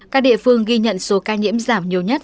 các địa phương ghi nhận số ca nhiễm giảm nhiều nhất